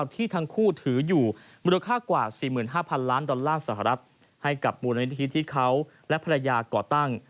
ที่ทั้งคู่ถืออยู่มูลค่ากว่า๔๕๐๐ล้านดอลลาร์สหรัฐให้กับมูลนิธิที่เขาและภรรยาก่อตั้ง